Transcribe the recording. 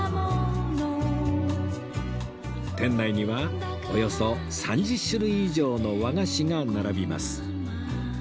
店内にはおよそ３０種類以上の和菓子が並びます